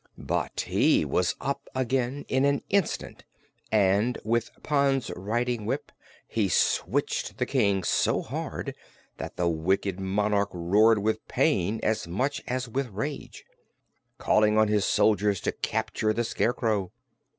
But he was up again, in an instant, and with Pon's riding whip he switched the King so hard that the wicked monarch roared with pain as much as with rage, calling on his soldiers to capture the Scarecrow.